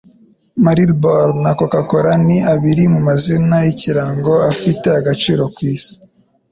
Marlboro na Coca-Cola ni abiri mu mazina y'ikirango afite agaciro ku isi